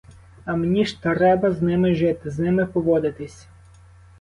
А мені ж треба з ними жити, з ними поводитись.